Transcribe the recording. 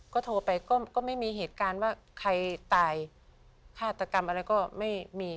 ก็โทรไปก็ไม่มีเหตุการณ์ว่าใครตายฆาตกรรมอะไรก็ไม่มี